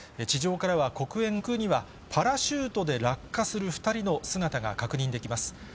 地上からは黒煙が立ち上り、上空にはパラシュートで落下する２人の姿が確認できます。